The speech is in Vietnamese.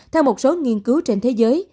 theo một số nghiên cứu trên thế giới